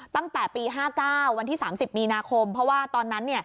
ตั้งแต่ปี๕๙วันที่๓๐มีนาคมเพราะว่าตอนนั้น